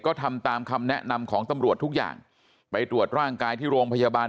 ก็ทำตามคำแนะนำของตำรวจทุกอย่างไปตรวจร่างกายที่โรงพยาบาล